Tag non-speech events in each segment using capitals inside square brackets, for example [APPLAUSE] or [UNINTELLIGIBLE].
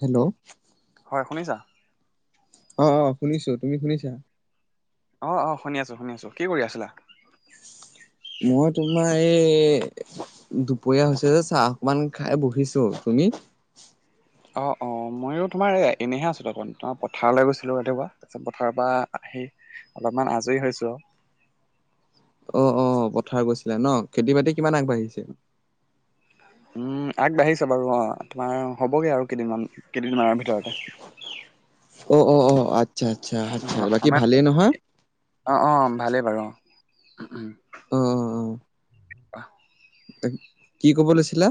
Hello হয় শুনিছা? অ অ শুনিছো, তুমি শুনিছা? অ অ শুনি আছো শুনি আছো, কি কৰি আছিলা? মই তোমাৰ এই দুপৰীয়া হৈছে যে চাহ অকমান খাই বহিছোঁ, তুমি? অ অ ময়ো তোমাৰ এ এনেহে আছিলোঁ অকমান তোমাৰ পথাৰলৈ গৈছিলোঁ ৰাতিপুৱা তাৰপিছত পথাৰৰ পৰা আহি অলপমান আজৰি হৈছো আও অ অ পথাৰ গৈছিলা ন, খেতি বাতি কিমান আগবাঢ়িছে? [INAUDIBLE] উম আগবাঢ়িছে বাৰু অঁ তোমাৰ হ'বগে আৰু কেইদিনমান কেইদিনমানৰ ভিতৰতে অ অ অ আটচ্ছা আটচ্ছা আটচ্ছা অঁ বাকী আমাৰ ভালেই নহয় অঁ অঁ ভালেই বাৰু অ অ অ অ কোৱা এই কি ক'ব লৈছিলা?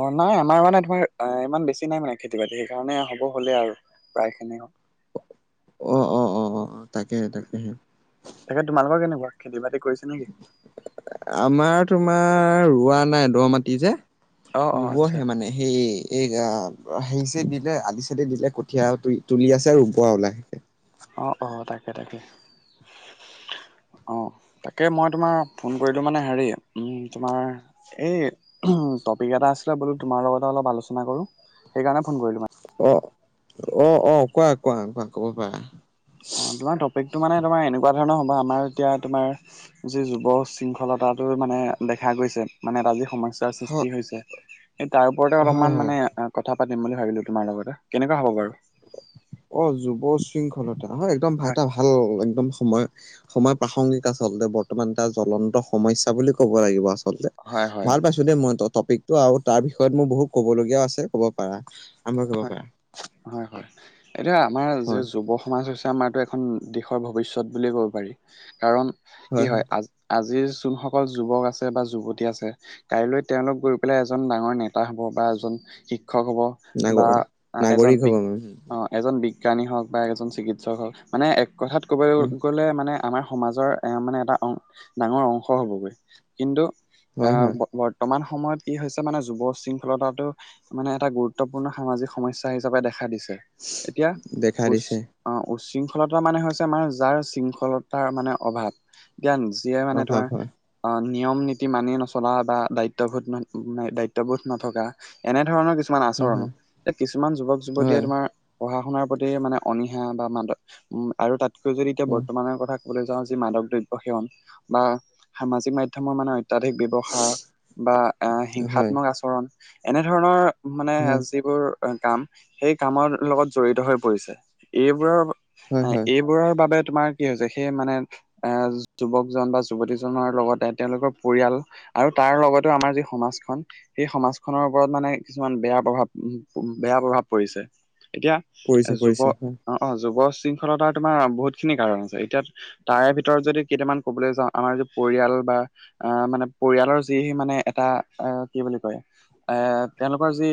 অ নাই আমাৰ মানে ধৰ আ ইমান বেছি নাই মানে খেতি বাতি সেইকাৰণে হ'ব হ'লেই আৰু প্ৰায়খিনি অ অ অ অ তাকেহে হ'ল তাকেহে তাকেই তোমালোকৰ কেনেকুৱা খেতি বাতি কৰিছ আমাৰ তোমাৰ ৰোৱা নাই দ মাটি যে অঁ অঁ আচ্ছা। ৰুবহে মানে সেই এই‌ আ হেই চেই দিলে আলি চালি দিলে কঠীয়াও তুলি তুলি আছে ৰুব আৰু লাহেকে অঁ অঁ তাকে তাকে অ তাকে মই তোমাৰ ফোন কৰিতো মানে হেৰি উম তোমাৰ এই টপিক এটা আছিলে বোলো তোমাৰ লগতে অলপ আলোচনা কৰো সেইকাৰণে ফোন কৰিলোঁ মা অ অ অ কোৱা কোৱা কোৱা খবৰ কোৱা অ তোমাৰ টপিকটো মানে তোমাৰ এনেকুৱা ধৰণৰ হ'ব আমাৰ এতিয়া তোমাৰ যি যুৱ শৃংখলতাটো মানে দেখা গৈছে মানে এটা যি সম স্যা হয়, সৃষ্টি হৈছে এই তাৰ ওপৰতে অলপ হয়, মান হয়। মানে আ কথা পাতিম বুলি ভাবিলো তোমাৰ লগতে কেনেকুৱা হ'ব বাৰু অ যুৱ শৃংখলতা হয় একদম এটা ভাল একদম সময় সময় প্ৰাসংগিক আচলতে বৰ্তমান তাৰ জ্বলন্ত সমস্যা বুলি ক'ব লাগিব আচলতে হয়, হয়, অ', ভাল পাইছো দেই মই ট টপিকতটো আৰু তাৰ বিষয়ত মোৰ বহুত ক'ব লগীয়াও আছে ক'ব পাৰা আৰম্ভ হয়। কৰিব পাৰা হয় হয় এতিয়া আমাৰ যে হয়, যুৱ সমাজ হৈছে আমাৰটো এখন দেশৰ ভৱিষ্যত বুলিয়ে ক'ব পাৰি কাৰণ কি হয় আ আজিৰ যোনসকল যুৱক আছে বা যুৱতী আছে কাইলৈ তেওঁলোক গৈ পেলাই এজন ডাঙৰ নেতা হ'ব বা এজন শিক্ষক হ'ব বা নাগৰ এজন নাগৰিক হ'ব মানে। বি--অ এজন বিজ্ঞানী হওঁক বা এজন চিকিৎসক হওঁক মানে এক কথাত ক'বলে উম, গ'লে মানে আমাৰ সমাজৰ এ মানে এটা অ ডাঙৰ অংশ হ'বগৈ কিন্তু এ হয়, হয়, বৰ্ত বৰ্তমান সময়ত কি হৈছে মানে, যুৱ উশৃংখলতাটো মানে এটা গুৰুত্ব ত্বপূৰ্ণ সামাজিক সমস্যা হিচাপে দেখা দিছে, এতিয়া দেখা উচ দিছে অ', উশৃংখলতাৰ মানে হৈছে আমাৰ যাৰ শৃংখলতাৰ মানে অভাৱ। জ্ঞান, যিয়ে মানে অভাৱ তোমাৰ হয়, অ', নিয়ম নীতি মানি নচলা বা দায়িত্ববোধ-দায়িত্ববোধ নথকা। এনেধৰণৰ কিছুমান হয়, আচৰণ, হয়, এ কিছুমান যুৱক যুৱতীয়ে হয়। তোমাৰ পঢ়া শুনাৰ প্ৰতি মানে অনীহা বা মাদক উ আৰু তাতকৈ যদি এতিয়া উম, বৰ্তমানৰ কথা ক'বলে যাওঁ যি মাদক দ্ৰব্য সেৱন বা সামাজিক মাধ্যমৰ মানে অত্যাধিক ব্যৱ ব্যৱহাৰ বা হয়, এ-হিংসাত্মক আচৰণ, এনেধৰণৰ মানে হয়, যিবোৰ কাম, সেই কামৰ লগত জড়িত হৈ পৰিছে, এইবোৰৰ হয়, হয়, এইবোৰৰ বাবে তোমাৰ কি হৈছে, সেই মানে এ-যুৱকজন বা যুৱতীজনৰ লগতে তেওঁলোকৰ পৰিয়াল আৰু তাৰ লগতেও আমাৰ যি সমাজখন, সেই সমাজখনৰ ওপৰত মানে কিছুমান বেয়া প্ৰভাৱ-বেয়া প্ৰভাৱ পৰিছে, এতিয়া পৰিছে পৰিছে যুৱ-অ' হয়, অ', যুৱ উশৃংখলতাৰ তোমাৰ বহুতখিনি কাৰণ আছে, এতিয়া তাৰে ভিতৰত যদি কেইটামান ক'বলৈ যাওঁ, আমাৰ যে পৰিয়াল বা আ-মানে পৰিয়ালৰ যি মানে এটা, আ কি বুলি কয়, এ তেওঁলোকৰ যি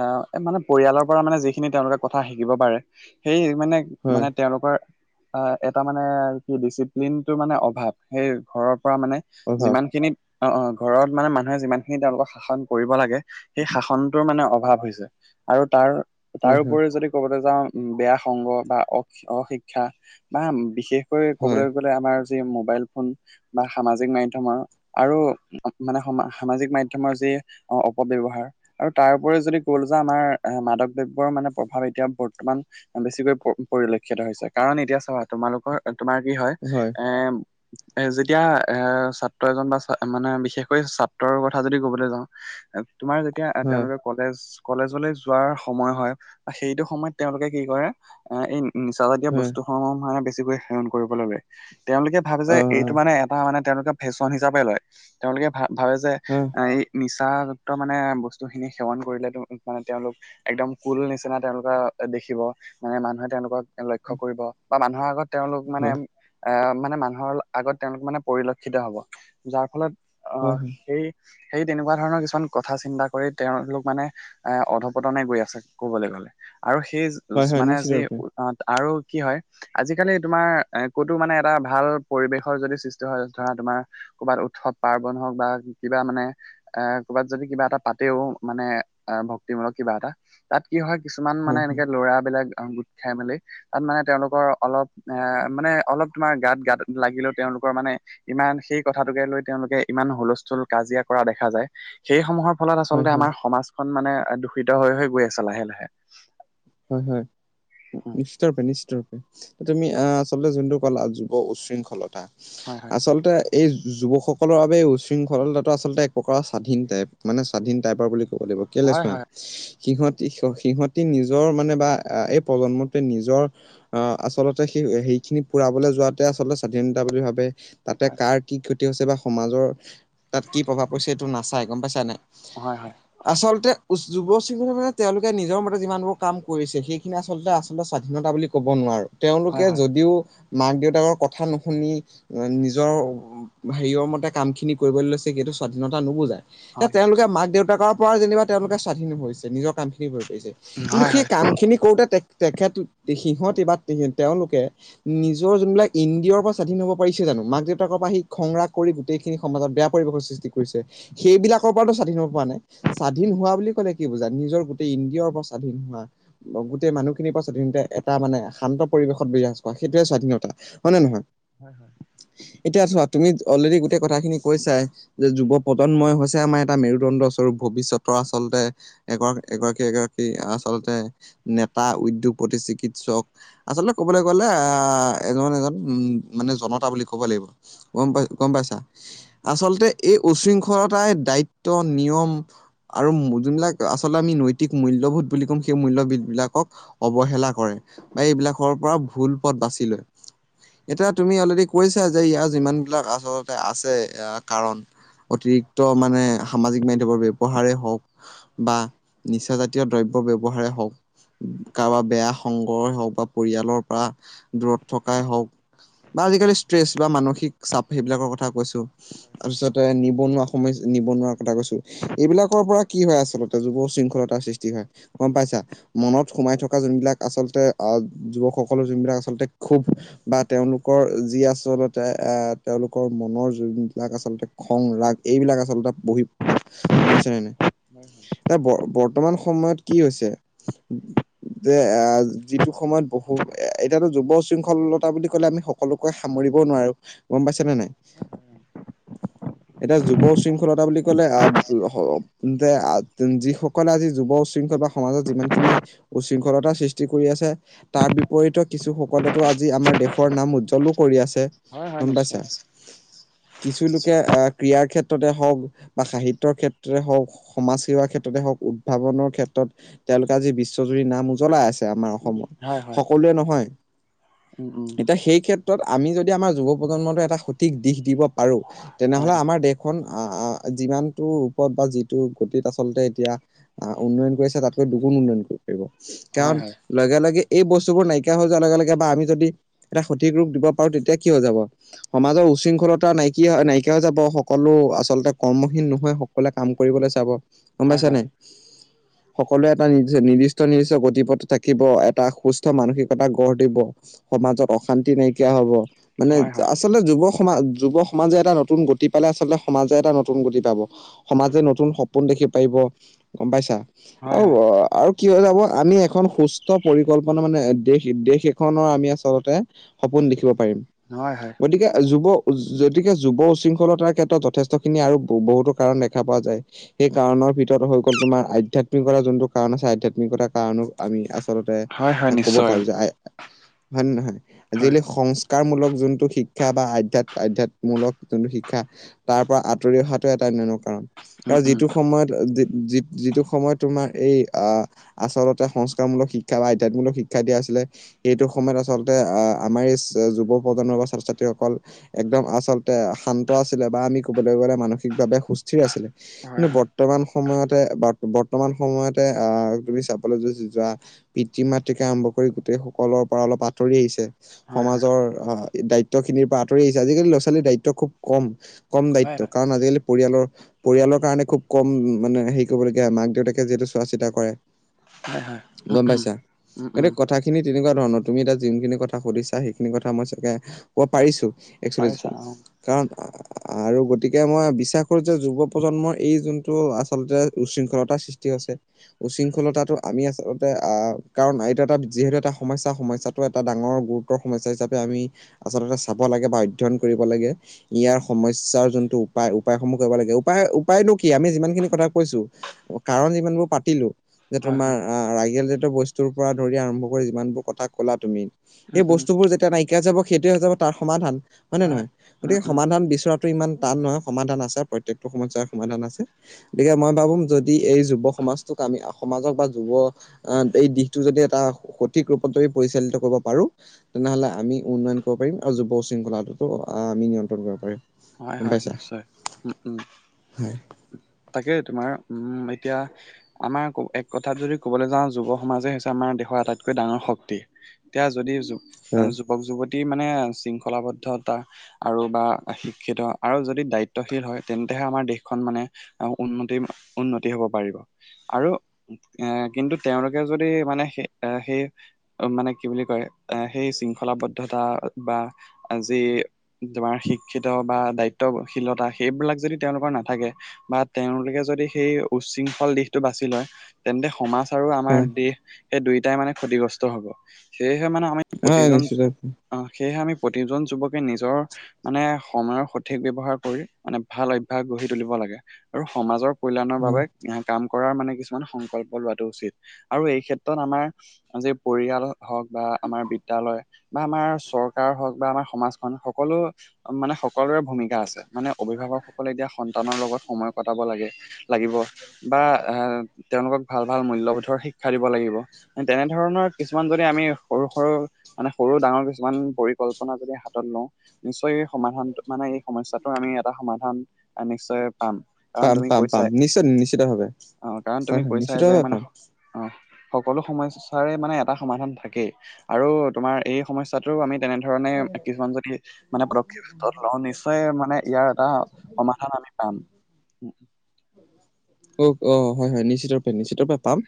এ মানে পৰিয়ালৰ পৰা মানে যিখিনি তেওঁলোকে কথা শিকিব পাৰে, সেই মানে হয়, মানে তেওঁলোকৰ আ-এটা মানে, কি ডিচিপ্লিনটোৰ মানে অভাৱ, সেইয়ে ঘৰৰ পৰা মানে অভাৱ যিমান খিনিত, অ' অ', ঘৰত মানে মানুহে যিমান খিনি তেওঁলোকক শাসন কৰিব লাগে সেই শাসনটোৰ মানে অভাৱ হৈছে আৰু তাৰ-তাৰ হয়, হয়, ওপৰি যদি ক'বলৈ যাওঁ উম, বেয়া সংগ বা অ-অশিক্ষা বা বিশেষকৈ হয়, ক'বলৈ গ'লে আমাৰ যি মোবাইল ফোন বা সামাজিক মাধ্যমৰ আৰু মানে সমা-সামাজিক মাধ্যমৰ যি অ' অপব্যৱহাৰ আৰু তাৰ উপৰি যদি গ'বলে যাওঁ, আমাৰ মাদক দ্ৰব্যৰ মানে প্ৰভাৱ এতিয়া বৰ্তমান বেছিকৈ পৰিলক্ষিত হৈছে, কাৰণ এতিয়া চাবা তোমালোকৰ-তোমাৰ কি হয়, এ [INAUDIBLE] এ যেতিয়া, এ ছাত্ৰ এজন বা-মানে বিশেষকৈ ছাত্ৰৰ কথা যদি ক'বলৈ যাওঁ তোমাৰ যেতিয়া হয়, তেওঁলোকে কলেজ-কলেজলৈ যোৱাৰ সময় হয় বা সেইটো সময়ত তেওঁলোকে কি কৰে, এ এই নিচাজাতীয় হয়, বস্তুসমূহ মানে বেছিকৈ সেৱন কৰিবলৈ লয়। তেওঁলোকে ভাৱে যে অ', অ', এইটো মানে এটা মানে তেওঁলোকে ফেশ্বন হিচাপে লয়, তেওঁলোকে ভা-ভাবে যে উম এই নিচাযুক্ত মানে বস্তুখিনি সেৱন কৰিলে মানে তেওঁলোক একদম কুল নিচিনা তেওঁলোকক দেখিব, মানে মানুহে তেওঁলোকক লক্ষ্য কৰিব বা মানুহৰ আগত তেওঁলোক মানে হয় আ মানে মানুহৰ আগত তেওঁলোক মানে পৰিলক্ষিত হ'ব, যাৰ ফলত হয় হয় আ-সেই সেই তেনেকুৱা ধৰণৰ কিছুমান কথা চিন্তা কৰি তেওঁলোক মানে এ-অধপতনে গৈ আছে ক'বলৈ গ'লে আৰু সেই হয় হয় মানে যি, নিশ্চিতৰূপে অ-আৰু কি হয় আজিকালি তোমাৰ এ-ক'তো মানে এটা ভাল পৰিৱেশৰ যদি সৃষ্টি হয়, ধৰা তোমাৰ ক'ৰবাত উৎসৱ পাৰ্বন হওঁক বা কিবা মানে, এ ক'ৰবাত যদি কিবা এটা পাতেও, মানে ভক্তিমূলক কিবা এটা তা'ত কি হয় কিছুমান হয় মানে এনেকে ল'ৰাবিলাক আহ গোট খাই মেলি- তা'ত মানে তেওঁলোকৰ অলপ এ মানে অলপ তোমাৰ গাত-গাত লাগিলেও তেওঁলোকৰ মানে- ইমান সেই কথাটোকে লৈ তেওঁলোকে ইমান হুলস্থুল, কাজিয়া কৰা দেখা যায়। সেই সমূহৰ ফলত হয় আচলতে হয় আমাৰ সমাজখন মানে দূষিত হৈ হৈ গৈ আছে লাহে-লাহে। হয়-হয়, উম, নিষ্টৰুপে-নিষ্টৰুপে। তুমি আঁহ আচলতে যোনটো কলা যুৱ উশৃংখলতা। হয়-হয়। আচলতে এই যুৱকসকলৰ বাবে উশৃংখলতাটো আচলতে এক প্ৰকাৰ স্বাধীন টাইপ। মানে স্বাধীন টাইপৰ বুলি ক'ব লাগিব। কেলে হয় চোৱা, হয়, সিহঁতি- সিহঁতি নিজ- নজৰ মানে বা এই প্ৰজন্মটোৱে নিজৰ- আঁহ আচলতে সেই, সেইখিনি পুৰাবলৈ যোৱাতে আচলতে স্বাধীনতা বুলি ভাবে। তা'তে হয়, কাৰ কি ক্ষতি হৈছে বা সমাজৰ তা'ত কি প্ৰভাৱ পৰিছে এইটো নাচাই, গম পাইছা নে। হয়-হয়। আচলতে যুৱ চামে মানে তেওঁলোকে নিজৰ মতে যিমানবোৰ - কাম কৰিছে সেইখিনি আচলতে-আচলতে স্বাধীনতা বুলি কব নোৱাৰো, তেওঁলোকে হয় হয়, যদিও- মাক-দেউতাকৰ কথা নুশুনি নিজৰ- হেৰিয়ৰ মতে কাম খিনি কৰিবলৈ লৈছে সেইটো স্বাধীনতা নুবুজায়। এ' হয়, হয় হয়। তেওঁলোকে মাক-দেউতাকৰ পৰা যেনিবা তেওঁলোকে স্বাধীন হৈছে নিজৰ কাম খিনি কৰিব পাৰিছে। কিন্তু হয় সেই কাম খিনি কৰোতে তে-তেখেত সিহঁতি বা তেওঁলোকে- নিজৰ যোনবিলাক ইন্দ্ৰিয়ৰ পৰা স্বাধীন হব পাৰিছে জানো মাক- দেউতাকৰ পৰা সি খং-ৰাগ কৰি- গোটেইখিনি সমাজত বেয়া পৰিৱেশৰ সৃষ্টি কৰিছে সেইবিলাকৰ পৰাতো স্বাধীন হ'ব পৰা নাই। স্বাধীন হোৱা বুলি ক'লে কি বুজাই নিজৰ গোটেই ইন্দ্ৰিয়ৰ পৰা স্বাধীন হোৱা- গোটেই মানুহখিনিৰ পৰা স্বাধীনতা এটা মানে শান্ত পৰিৱেশত বিৰাজ কৰা সেইটোয়ে স্বাধীনতা। হয় নে নহয়? হয়-হয়। এতিয়া চোৱা তুমি অলৰেডি গোটেই কথাখিনি কৈছাই যে যুৱ- প্ৰজন্মই হৈছে আমাৰ এটা মেৰুদণ্ড - ভৱিষ্যতৰ আচলতে এগ-এগৰাকী- সেই আচলতে নেতা, উদ্যোগপতি, চিকিৎসক- আচলতে ক'বলৈ গ'লে আঁহ এজন-এজন উমঁ মানে জনতা বুলি ক'ব লাগিব। গম পাইছ-গম পাইছা। আচলতে- এই উশৃংখলতাই দায়িত্ব, নিয়ম আৰু যোনবিলাক আচলতে আমি নৈতিক- মূল্যবোধ বুলি ক'ম সেই মূল্যবোধ বিলাকক অৱহেলা কৰে। বা এইবিলাকৰ পৰা ভুল পথ বাছি লয়। এতিয়া তুমি অলৰেদি কৈছা যে ইয়াৰ যিমান বিলাক আচলতে আছে কাৰণ- অতিৰিক্ত মানে সামাজিক মাধ্যমৰ ব্যৱহাৰেই হওঁক বা- জাতীয় দ্ৰব্যৰ ব্যৱহাৰে হওঁক- কাৰোবাৰ বেয়া সংগই হওঁক বা পৰিয়ালৰ পৰা দূৰত থকাই হওঁক- বা আজিকালি ষ্ট্ৰেছ বা মানসিক চাপ সেইবিলাকৰ কথা কৈছো। তাৰপিছতে নিবনুৱা সময়, নিবনুৱাৰ কথা কৈছো। এইবিলাকৰ পৰা কি হয় আচলতে যুৱ শৃংখলতাৰ সৃষ্টি হয়, গম পাইছা। মনত সোমাই থকা যোনবিলাক আচলতে আহ যুৱকসকলৰ যোনবিলাক আচলতে খুব- বা তেওঁলোকৰ যি আচলতে আঁহ তেওঁলোকৰ মনৰ যোন বিলাক আচলতে- খং-ৰাগ এইবিলাক আচলতে বহি প্ৰকাশ, গম পাইছে নে নাই। [INAUDIBLE] এতিয়া বৰ-বৰ্তমান সময়ত কি হৈছে যে এ' যিটো সময়ত বহু এ এতিয়াতো যুৱ শৃংখলতা বুলি কলে আমি সকলোকে সামৰিবও নোৱাৰো গম পাইছে নে নাই? [INAUDIBLE] এতিয়া যুৱ শৃংখলতা বুলি কলে [UNINTELLIGIBLE] আহ যি সকলে আজি যুৱ শৃংখল বা সমাজত যিমানখিনি উশৃংখলতা সৃষ্টি কৰি আছে তাৰ বিপৰীতে কিছুসকলেতো আজি আমাৰ দেশৰ নাম উজ্জ্বলো কৰি আছে, হয় হয় গম পাইছে। [UNINTELLIGIBLE] কিছু লোকে আহ ক্ৰিড়াৰ ক্ষেত্ৰতে হওক বা সাহিত্যৰ ক্ষেত্ৰতে হওক সমাজ সেৱাৰ ক্ষেত্ৰতে হওক উদ্ভাৱনৰ ক্ষেত্ৰত তেওঁলোকে আজি বিশ্বজুৰি নাম উজ্বলাই আছে। তে আমাৰ উম, অসমৰ হয় হয়, সকলোৱে নহয়, উম উম, এতিয়া সেই ক্ষে তত আমি যদি আমাৰ যুৱ প্ৰজন্মটো এটা সঠিক দিশ দিব পাৰোঁ, হয় তেনেহ'লে হয়, আমাৰ দেশ খন আ আ যিমানটো ৰূপত বা যিটো গতিত আচলতে এতিয়া আহ উন্নয়ন কৰিছে তাতকৈ দুগুণ উন্নয়ন কৰিব পাৰিব হয় কাৰণ হয়, লগে লগে এই বস্তুবোৰ নাইকিয়া হৈ যোৱাৰ লগে লগে বা আমি যদি এটা সঠিক ৰূপ দিব পাৰো তেতিয়া কি হৈ যাব? সমাজৰ উশৃংখলতা নাইকিয়া নাইকিয়া হৈযাব সকলো আচলতে কৰ্মহীন নোহোৱা স কলে কাম কৰিবলৈ চাব, গম হয় পাইছা হয়। নাই? সকলোৱে এটা নি নিৰ্দিষ্ট নিৰ্দিষ্ট গতিপথ থাকিব এটা সুস্থ মানসিকতা গঢ় দিব। সমাজত অশান্তি নাইকিয়া হব। মানে হয় হয়, আচলতে যুৱ সমাজ যুৱ সমাজে এটা নতুন গতি পালে আচলতে সমাজে এটা নতুন গতি পাব। সমাজে নতুন সপোন দেখিব পাৰিব গম পাইছা হয় আও হয়, আৰু কি হৈ যাব আমি এখন সুস্থ পৰিকল্পনা মানে দেশ দেশ এখনৰ আমি আচলতে সপোন দেখিব পাৰিম। নহয় হয়। গতিকে যুৱ গতিকে যুৱ উশৃংখলতাৰ ক্ষেত্ৰত যথেষ্টখিনি আৰু বহুতো কাৰণ দেখা পোৱা যায়। সেই কাৰনৰৰ ভিতৰত হৈ গ'ল তোমাৰ আধ্যয়াত্মিকতাৰ যোনটো কাৰণ আছে, আধ্যয়াত্মিকতাৰ কাৰণো আমি আচলতে হয় হয় ক'ব নিশ্চয়, পাৰো যে আ, হয় নে নহয়? আজি হয়, কালি সং কাৰ মূলক যোনটো শিক্ষা বা আধ্যয়াত আধ্যাতমূলক যোনটো শিক্ষা তাৰ পৰা আঁতৰি অহাটো এটা অনন্য কাৰণ, উম কাৰ উম, যিটো সময়ত যি যি যিটো সময়ত তোমাৰ এই আহ আচলতে সংস্কাৰমূলক শিক্ষা বা আধ্যাত্মূলক শিক্ষা দিয়া আছিলে। এইটো সময়ত আচলতে আহ আমাৰ এই যুৱ প্ৰজন্মৰ বা ছাত্ৰ ছাত্ৰীসকল একদম আচলতে শান্ত আছিলে। বা আমি ক'বলৈ গলে মানসিকভাৱে সুস্থিৰ আছিলে। হয় কিন্তু হয়। বৰ্তমান সময়ত তে বাকো বৰ্তমান সময়তে আহ তুমি চাবলৈ যদি যোৱা পিতৃ মাতৃকে আৰম্ভ কৰি গোটেই সকলৰ পৰা অলপ আঁতৰি আহিছে। হয় হয়, সমাজৰ আহ দায়িত্ব খিনিৰ পৰা আঁতৰি আহিছে, আজিকালি ল'ৰা ছোৱালীৰ দায়িত্ব খুব কম। কম হয় দায়িত্ব হয়, কাৰণ আজিকালি পৰিয়ালৰ পৰিয়ালৰ কাৰণে খুব কম মানে সেই টো লগীয়া মাক দেউতাকে যিহেতু চোৱা চিতা কৰে, হয় হয়, উম গম উম। পাইছা? উম হতে উম, কথা খিনি তেনেকুৱা ধৰণ, তুমি এতিয়া যিখিনি কথা সুধিছা সেইখিনি কথা মই চাগে কব পাৰিছোঁ। এক্সুয়েলি যো পাৰিছা অ', কাৰণ আৰু গতিকে মই বিশ্বাস কৰোঁ যে যুৱ প্ৰজন্মৰ এই যোনটো আচলতে উশৃংখলতাৰ সৃষ্টি হৈছে। উশৃংখলতাটো আমি আচলতে আহ কাৰণ এইটো এটা যিহেতু এটা সমস্যা সমস্যাতটো এটা ডাঙৰ গু ক সমস্যা হিচাপে আমি আচলতে চাব লাগে বা অধ্যয়ন কৰিব লাগে। ইয়াৰ সমস্যাৰ যোনটো উপায় উপায়সমূহ কৰিব লাগে, উপায় উপায়নো কি আমি যিমান খিনি কথা কৈছো কাৰণ যিমানবোৰ পাতিলোঁ যে হয় তোমাৰ হয়, আ, ৰাইগেলজাতীয় বস্তুৰ পৰা ধৰি আৰম্ভ কৰি যিমান বোৰ কথা ক'লা তুমি উম এই উম, বস্তুবোৰ যেতিয়া নাই কিয়া যাব সেইটোৱে হৈ যাব তাৰ সমাধান হয় নে নহয়, উম গতিকে উম। সমাধান বিচৰা টো ইমান টান নহয় সমাধান আছে প্ৰত্যেকটো সমস্যাৰ সমাধান আছে, গতিকে মই ভাবো যদি এই যুৱ সমাজটোক আমি আ, সমাজক বা যুৱ আ, এই দিশটো যদি এটা সঠিক ৰূপত যমি পৰিচালিত কৰিব পাৰো। তেনেহ'লে আমি উন্নয়ন কৰ পাৰিম আৰু যুৱ শৃংখলাটো আ, আমি নিয়ন্ত্ৰণ কৰিব পাৰিম। হয়, গম হয় পাইছা নিশ্চয়। উম, উম। হয় তাকে তোমাৰ উম, এতিয়া আমাৰ এক কথাত যদি ক'বলৈ যাওঁ যুৱ সমাজে হৈছে আমাৰ দেশৰ আটাইতকৈ ডাঙৰ শক্তি। তিয়া যদি যুব আ, হয় যুৱক যুৱতী মানে শৃংখলাবদ্ধতা আৰু বা আ, শিক্ষিত আৰু যদি দায়িত্বশীল হয় তেন্তেহে আমাৰ দেশখন মানে আৰু উন্নতি উন্নতি হ'ব পাৰিব। আৰু এ, কিন্তু তেওঁলোকে যদি মানে সেই আ, সেই মানে কি বুলি কয় আ, সেই শৃংখলাবদ্ধতা বা আজি তোমাৰ শিক ক্ষিত বা দায়িত্বশীলতা সেইবিলাক যদি তেওঁলোকৰ নাথাকে। বা তেওঁলোকে যদি সেই উৃংখল দিশটো বাছি লয় তেন্তে সমাজ আৰু আমাৰ হয় দেশ সেই দুয়টাই মানে ক্ষতিগ্ৰস্ত হ'ব, সেয়েহে মানে আমি হয় প্ৰতিজন নিশ্চিত অহ, সেয়েহে আমি প্ৰতিজন যুৱকে নিজৰ মানে সময়ৰ সঠিক ব্যৱহাৰ কৰি মানে ভাল অভ্যাস গঢ়ি তুলিব লাগে আৰু সমাজৰ কল্যাণৰ বাবে কাম কৰাৰ মানে কিছুমান সংকল্প লোৱাটো উচিত আৰু এই ক্ষেত্ৰত আমাৰ আজি পৰিয়াল হওক বা আমাৰ বিদ্যালয় বা আমাৰ চৰকাৰ হওক বা আমাৰ সমাজখন সকলো মানে সকলোৰে ভূমিকা আছে, মানে অভিভাৱকসকলে এতিয়া সন্তানৰ লগত সময় কটাব লাগে। লাগিব বা আ, তেওঁলোকক ভাল ভাল মূল্যবোধৰ শিক্ষা দিব লাগিব। তেনেধৰণৰ কিছুমান যদি আমি সৰু সৰু মানে সৰু ডাঙৰ কিছুমান পৰিকল্পনা যদি হাতত লওঁ। নিশ্চয় এই সমাধানটো মানে এই সমস্যাটোৰ আমি এটা সমাধান নিশ্চয়ে পাম। কাৰণ পাম তুমি পাম পাম কৈছাই, নিশ্চয় নিশ্চিত ভাৱে অ', কাৰণ হয় তুমি হয় কৈছাই যে নিশ্চিতভাৱে পাম মানে অ', সকলো সমস্যাৰে মানে এটা সমাধান থাকে, আৰু তোমাৰ এই সমস্যাটো আমি তেনেধৰণে কিছুমান যদি মানে প্ৰক্ষ হাতত লওঁ নিশ্চয় মানে ইয়াৰ এটা সমাধান আমি পাম। [UNINTELLIGIBLE] অ', হয়, হয় নিশ্চিত ৰূপে নিশ্চিত ৰূপে পাম।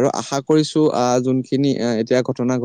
আৰু আশা কৰিছোঁ আ, যোনখিনি এ, এতিয়া ঘটনা ঘট